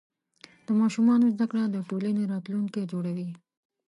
د ماشومانو زده کړه د ټولنې راتلونکی جوړوي.